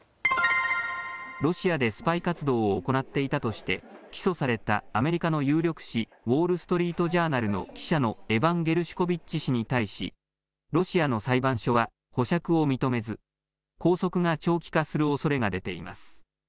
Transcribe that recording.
ロシアでスパイ活動を行っていたとして起訴されたアメリカの有力紙、ウォール・ストリート・ジャーナルの記者のエバン・ゲルシュコビッチ氏に対しロシアの裁判所は保釈を認めず拘束が長期化するおそれが出ています。